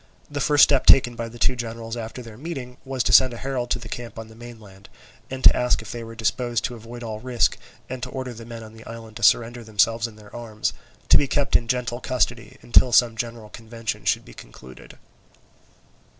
The first step taken by the two generals after their meeting was to send a herald to the camp on the mainland, to ask if they were disposed to avoid all risk and to order the men on the island to surrender themselves and their arms, to be kept in gentle custody until some general convention should be concluded.